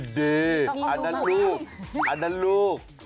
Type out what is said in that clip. ดึดดึดอันนั้นลูกอันนั้นลูก